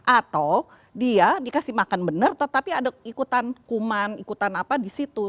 atau dia dikasih makan benar tetapi ada ikutan kuman ikutan apa di situ